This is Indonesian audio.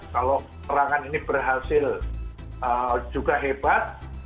kalau serangan ini berhasil juga hebat